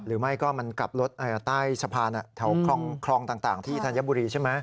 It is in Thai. หรือไม่ก็มันกลับรถใต้สะพานแถวคลองต่างที่ธัญบุรีใช่ไหม